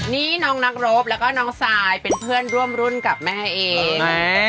นี่น้องนักรบแล้วก็น้องซายเป็นเพื่อนร่วมรุ่นกับแม่เอง